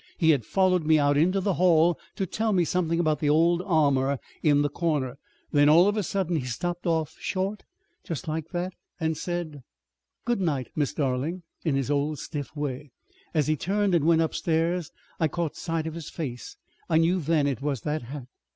He had followed me out into the hall to tell me something about the old armor in the corner; then, all of a sudden, he stopped off short, just like that, and said, 'Good night, Miss Darling,' in his old stiff way. As he turned and went upstairs I caught sight of his face. I knew then. It was the hat.